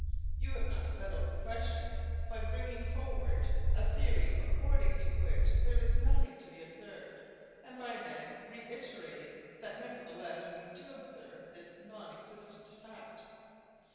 You have not settled the question by bringing forward a theory according to which there is nothing to be observed, and by then reiterating that nevertheless we do observe this non existent fact.